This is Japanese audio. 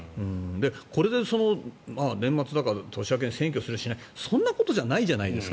これで年末だか年明けに選挙する、しないそんなことじゃないじゃないですか